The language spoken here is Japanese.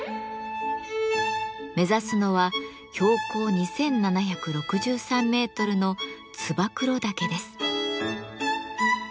目指すのは標高２，７６３メートルの燕岳です。